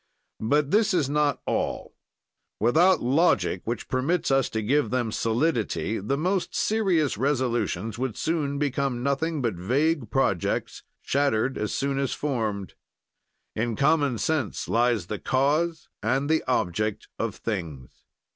"But this is not all; without logic, which permits us to give them solidity, the most serious resolutions would soon become nothing but vague projects, shattered as soon as formed. "In common sense lies the cause and the object of things.